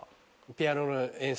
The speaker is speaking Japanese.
ピアノの演奏前に。